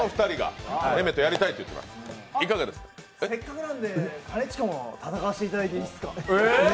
せっかくなんで、兼近もやらせてもらっていいですか。